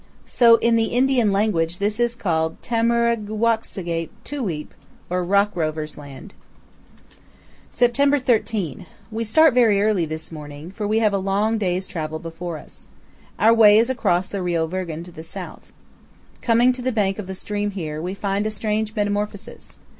So, in the Indian language this is called Tu'muurruwait'sigaip Tuweap', or Rock Rovers' Land. September 13. We start very early this morning, for we have a long day's travel before us. Our way is across the Rio Virgen to the south. Coming to the bank of the stream here, we find a strange metamorphosis.